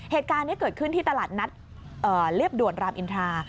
เหตุการณ์นี้เกิดขึ้นที่ตลาดนัดเรียบด่วนรามอินทรา